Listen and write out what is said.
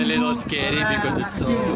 dan bahkan agak menakutkan karena sangat besar